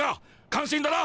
感心だな。